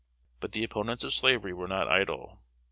But the opponents of slavery were not idle.